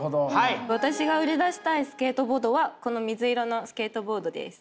私が売り出したいスケートボードはこの水色のスケートボードです。